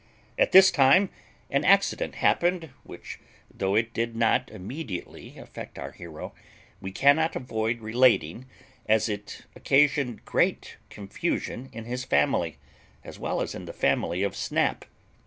At this time an accident happened, which, though it did not immediately affect our hero, we cannot avoid relating, as it occasioned great confusion in his family, as well as in the family of Snap.